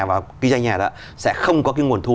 và ghi danh nhà đó sẽ không có cái nguồn thu